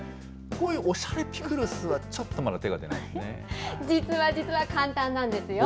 こういうおしゃれピクルスはちょっとまだ手が出ないですね。